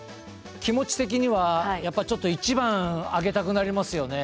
気持ち的にはやっぱりちょっと１番上げたくなりますよね。